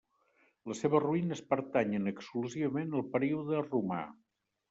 Les seves ruïnes pertanyen exclusivament al període romà.